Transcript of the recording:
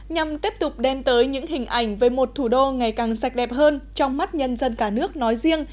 nhằm tiếp tục đem tới những hình ảnh về một thủ đô ngày càng sạch đẹp hơn trong mắt nhân dân cả nước nói riêng